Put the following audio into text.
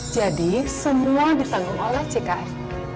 jadi semua ditanggung oleh jkn